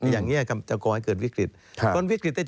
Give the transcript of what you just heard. อย่างนี้จะก่อให้เกิดวิคลิต